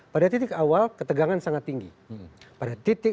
pada titik awal ketegangan sangat tinggi